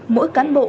mỗi cán bộ